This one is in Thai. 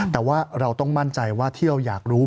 แต่ว่าเราต้องมั่นใจว่าที่เราอยากรู้